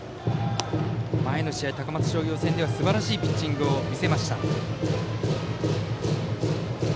前の試合、高松商業戦ではすばらしいピッチングを見せました。